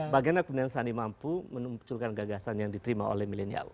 bagian akunan sandi mampu menunjukkan gagasan yang diterima oleh milenial